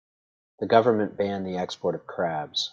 The government banned the export of crabs.